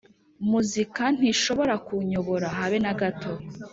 Muzika ntishobora kunyobora habenagato .